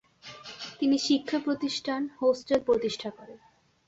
তিনি শিক্ষা প্রতিষ্ঠান, হোস্টেল প্রতিষ্ঠা করেন।